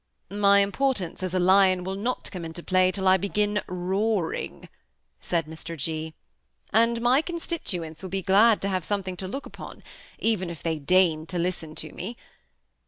*^ My importance as a lion will not come into play till I begin roaring," said Mr. G. ;" and my constituents will be glad to have something to look upon, even if they deign to listen to me.